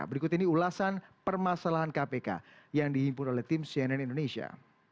berikut ini ulasan permasalahan kpk yang dihimpun oleh tim cnn indonesia